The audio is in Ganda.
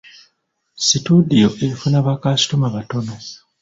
Situdiyo efuna bakasitoma batono.